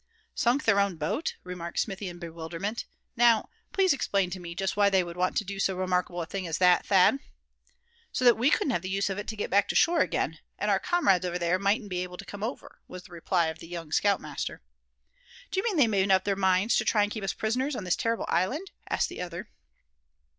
"Sunk their own boat!" remarked Smithy, in bewilderment; "now, please explain to me just why they would want to do so remarkable a thing as that, Thad?" "So that we couldn't have the use of it to get back ashore again; and our comrades over there mightn't be able to come over," was the reply of the young scout master. "Do you mean they've made up their minds to try and keep us prisoners on this terrible island?" asked the other.